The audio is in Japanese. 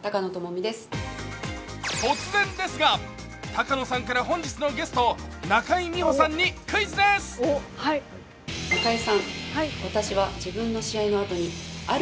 突然ですが、高野さんから本日のゲスト中井美穂さんにクイズです！え？